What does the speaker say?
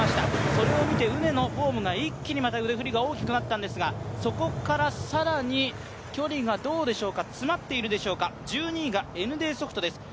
それを見て畝のフォームが、一気にまだ腕振りが大きくなったんですが、そこから更に、距離が詰まっているでしょうか１２位がＮＤソフトです